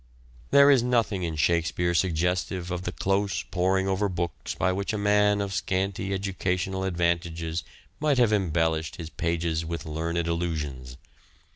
There is nothing in Shakespeare suggestive of the close poring over books by which a man of n8 " SHAKESPEARE " IDENTIFIED scanty educational advantages might have^embellished his pages with learned allusions.